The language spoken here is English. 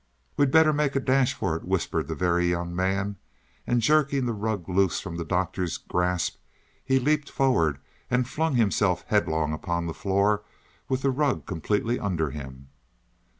"We'd better make a dash for it," whispered the Very Young Man; and jerking the rug loose from the Doctor's grasp, he leaped forward and flung himself headlong upon the floor, with the rug completely under him.